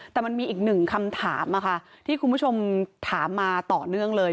แต่มันมีอีกหนึ่งคำถามที่คุณผู้ชมถามมาต่อเนื่องเลย